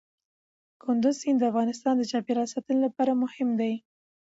کندز سیند د افغانستان د چاپیریال ساتنې لپاره مهم دی.